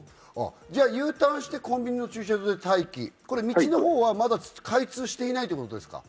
Ｕターンしてコンビニの駐車場で待機、これ道の方はまだ開通していないということですか？